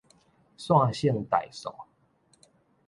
線性代數